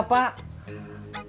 bapak tenang aja pak